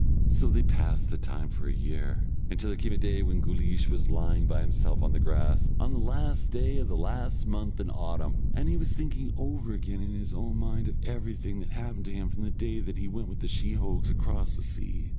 So they passed the time for a year, until there came a day when Guleesh was lying by himself on the grass, on the last day of the last month in autumn, and he was thinking over again in his own mind of everything that happened to him from the day that he went with the sheehogues across the sea.